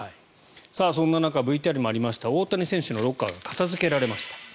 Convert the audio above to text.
そんな中ＶＴＲにもありました大谷選手のロッカーが片付けられました。